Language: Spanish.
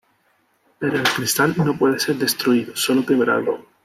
Pero el cristal no puede ser destruido, sólo quebrado.